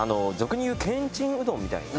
俗にいうけんちんうどんみたいな。